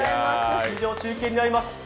以上、中継になります。